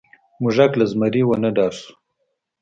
موږک له زمري ونه ډار شو.